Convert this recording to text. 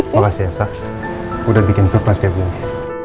makasih elsa udah bikin surprise kayak begini